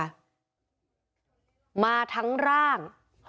มาทั้งร่าง